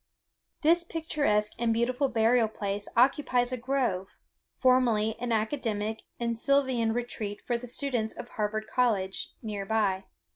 This picturesque and beautiful burial place occupies a grove, formerly an academic and sylvan retreat for the students of Harvard College, near by.